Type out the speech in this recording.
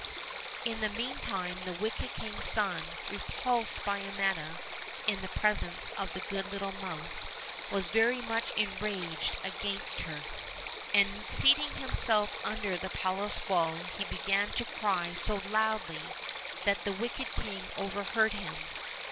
In the meantime the wicked king's son, repulsed by Amietta in the presence of the good little mouse, was very much enraged against her; and seating himself under the palace wall, he began to cry so loudly that the wicked king overheard him.